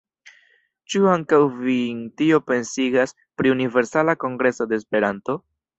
Ĉu ankaŭ vin tio pensigas pri Universala Kongreso de Esperanto?